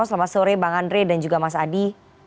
selamat sore bang andre dan juga mas adi